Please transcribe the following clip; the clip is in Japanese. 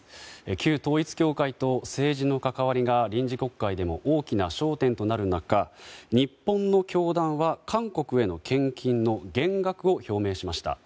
旧統一教会と政治の関わりが臨時国会でも大きな焦点となる中日本の教団は韓国への献金の減額を表明しました。